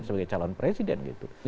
sebagai calon presiden gitu